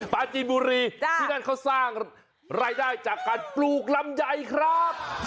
ปลาจีนบุรีที่นั่นเขาสร้างรายได้จากการปลูกลำไยครับ